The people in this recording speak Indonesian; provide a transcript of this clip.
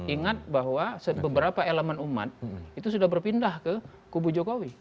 ingat bahwa beberapa elemen umat itu sudah berpindah ke kubu jokowi